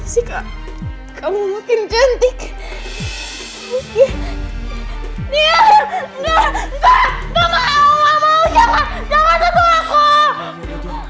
sekarang tujuan hanya bertinggal resep huis ini